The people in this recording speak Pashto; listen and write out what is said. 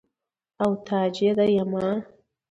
او تاج يي ديما